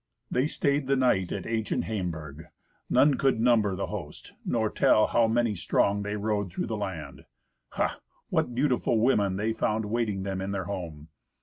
They stayed the night at ancient Haimburg. None could number the host, nor tell how many strong they rode through the land. Ha! what beautiful women they found waiting them in their home!